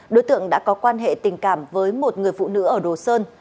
đối tượng đã có quan hệ tình cảm với một người phụ nữ ở đồ sơn